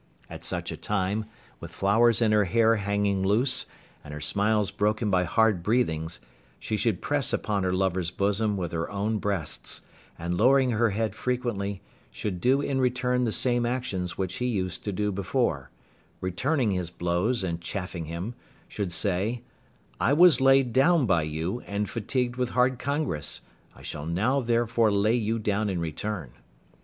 At such a time, with flowers in her hair hanging loose, and her smiles broken by hard breathings, she should press upon her lover's bosom with her own breasts, and lowering her head frequently, should do in return the same actions which he used to do before, returning his blows and chaffing him, should say, "I was laid down by you, and fatigued with hard congress, I shall now therefore lay you down in return."